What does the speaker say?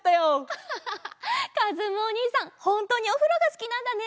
アハハハかずむおにいさんほんとにおふろがすきなんだね！